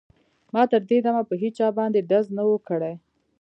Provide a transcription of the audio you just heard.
ما تر دې دمه په هېچا باندې ډز نه و کړی